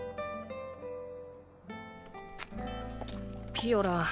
ピオラン。